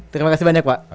terima kasih banyak pak